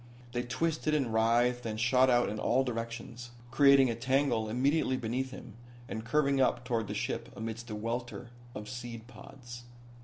They twisted and writhed and shot out in all directions, creating a tangle immediately beneath him and curving up toward the ship amidst a welter of seed pods.